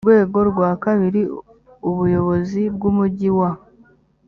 rwego rwa kabiri ubuyobozi bw umujyi wa